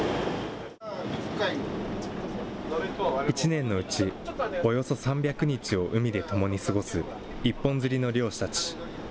１年のうち、およそ３００日を海で共に過ごす一本釣りの漁師たち。